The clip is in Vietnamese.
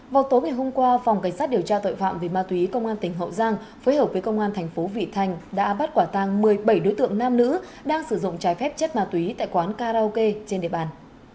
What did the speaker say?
vào tối ngày hôm qua phòng cảnh sát điều tra tội phạm về ma túy công an tỉnh hậu giang phối hợp với công an thành phố vị thành đã bắt quả tăng một mươi bảy đối tượng nam nữ đang sử dụng trái phép chất ma túy tại quán karaoke trên địa bàn